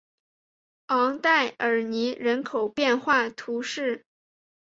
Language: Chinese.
昂代尔尼人口变化图示